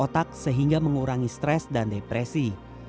otak sehingga mengurangi stres dan depresi